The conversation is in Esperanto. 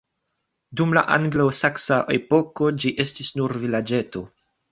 Dum la anglosaksa epoko ĝi estis nur vilaĝeto.